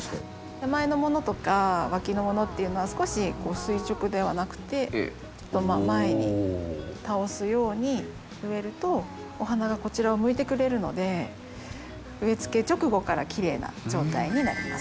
手前のものとか脇のものっていうのは少し垂直ではなくて前に倒すように植えるとお花がこちらを向いてくれるので植えつけ直後からきれいな状態になります。